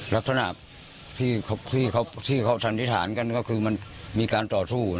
ลักษณะที่เขาสันนิษฐานกันก็คือมันมีการต่อสู้